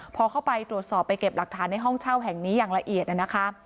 พอเข้าไปตรวจสอบไปเก็บหลักฐานในห้องเช่าแห่งนี้อย่างละเอียดนะคะ